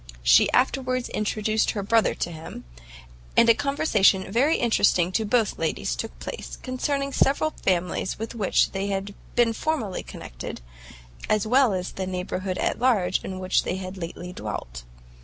She afterwards introduced her brother to him; and a conversation very interesting to both the ladies took place, concerning several families with which they had been formerly connected, as well as the neighbourhood at large in which they had lately dwelt.